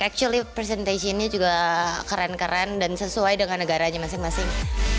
actually presentationnya juga keren keren dan sesuai dengan negaranya masing masing